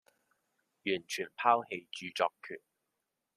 完全拋棄著作權